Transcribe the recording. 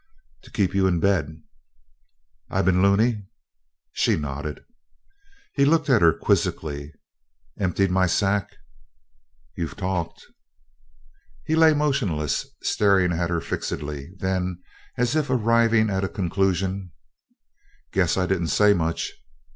"To keep you in bed." "I been loony?" She nodded. He looked at her quizzically. "Emptied my sack?" "You've talked." He lay motionless, staring at her fixedly; then, as if arriving at a conclusion: "Guess I didn't say much."